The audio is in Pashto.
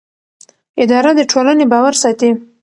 اداره د ټولنې باور ساتي.